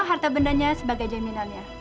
harta bendanya sebagai jaminannya